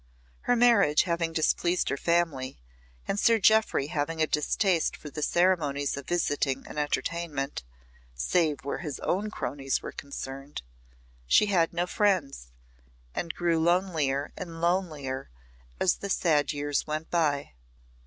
Her marriage having displeased her family, and Sir Jeoffry having a distaste for the ceremonies of visiting and entertainment, save where his own cronies were concerned, she had no friends, and grew lonelier and lonelier as the sad years went by.